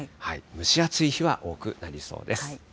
蒸し暑い日が多くなりそうです。